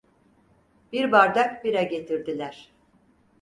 Bir bardak bira getirdiler.